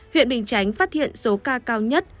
huyện bình chánh phát hiện số ca cao nhất